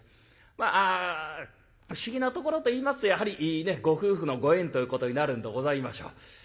まあ不思議なところといいますとやはりねご夫婦のご縁ということになるんでございましょう。